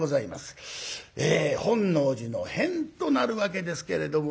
本能寺の変となるわけですけれどもね。